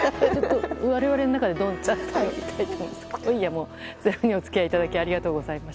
我々の中でどんちゃんと呼びたいと思います。